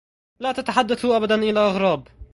لا تتحدثوا أبداً إلى أغراب.